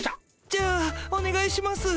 じゃあおねがいします。